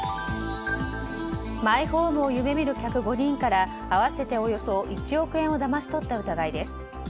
マイホームを夢見る客５人から合わせておよそ１億円をだまし取った疑いです。